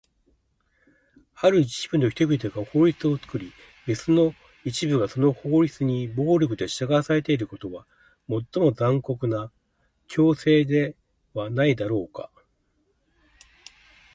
ある一部の人々が法律を作り、別の一部がその法律に暴力で従わされることは、最も残酷な強制ではないだろうか？